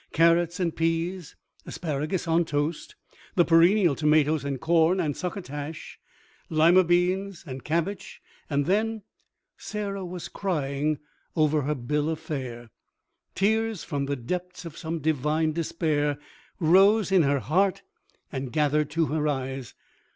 Carrots and peas, asparagus on toast, the perennial tomatoes and corn and succotash, lima beans, cabbage—and then— Sarah was crying over her bill of fare. Tears from the depths of some divine despair rose in her heart and gathered to her eyes.